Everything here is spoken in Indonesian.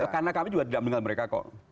karena kami juga tidak meninggal mereka kok